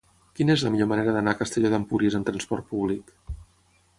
Quina és la millor manera d'anar a Castelló d'Empúries amb trasport públic?